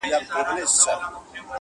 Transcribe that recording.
سور سالو يې د لمبو رنګ دی اخيستى،